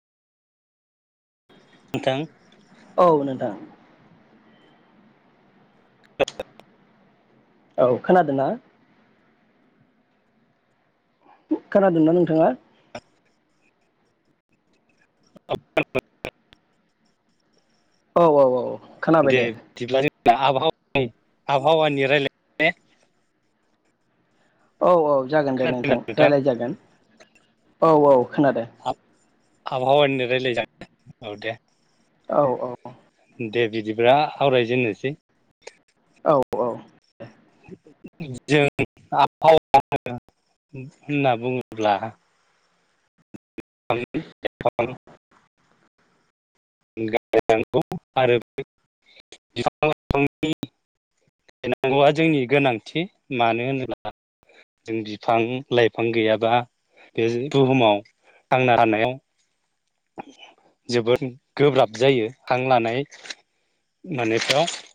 नोंथां औ नोंथां। [unintelligible] औ खोनादो ना खोनादोंना नोंथाङा। [unintelligible] औ औ औ। दे बिदिब्ला आबहावा -आबहावानि रायलाय औ जागोन दे नोंथां रायज्लाय जागोन औ औ खोनादों आबहावानिनो रायलायजागोन औ दे औ-औ दे बिदिब्ला आवरायजेननोसै औ औ जों आबहाव होनना बुङोब्ला [unintelligible] गायनांगौ आरो बिफां लाइफांनि गायनांगौआ जोंनि गोनांथि मानो होनोब्ला जों बिफां लाइफां गैयाबा बे बुहुमाव थांना थानायाव जोबोद गोब्राब जायो हां लानाय मानेफोराव